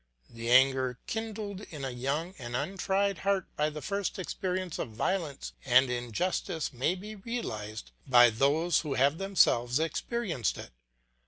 The anger kindled in a young and untried heart by the first experience of violence and injustice may be realised by those who have themselves experienced it.